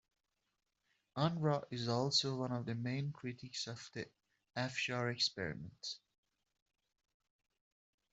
Unruh is also one of the main critics of the Afshar experiment.